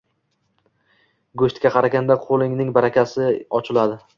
Go`shtga qaraganda qo`lingni barakasi ochiladi